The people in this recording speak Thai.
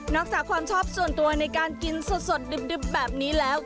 จากความชอบส่วนตัวในการกินสดดึบแบบนี้แล้ว